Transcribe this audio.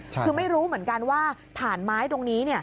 คือไม่รู้เหมือนกันว่าถ่านไม้ตรงนี้